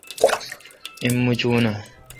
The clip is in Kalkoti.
ایم موچون اں؟